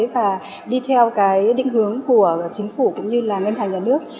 và đi theo cái định hướng của chính phủ cũng như là ngân hàng nhà nước